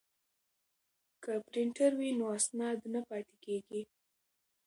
که پرینټر وي نو اسناد نه پاتیږي.